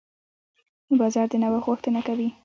بازار د نوښت غوښتنه کوي.